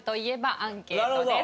アンケートです。